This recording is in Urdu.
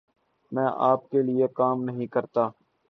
میں آپ کے لئے کام نہیں کرتا۔